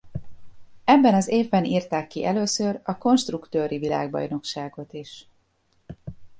Ebben az évben írták ki először a konstruktőri világbajnokságot is.